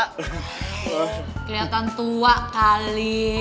kelihatan tua kali